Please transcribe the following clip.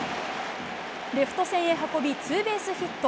レフト線へ運び、ツーベースヒット。